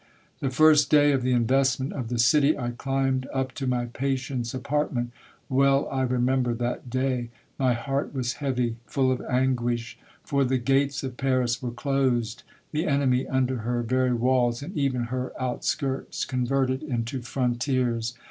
'' The first day of the investment of the city, I climbed up to my patient's apartment. Well I remember that day ! My heart was heavy, full of anguish. For the gates of Paris were closed, the enemy under her very walls, and even her out skirts converted into frontiers.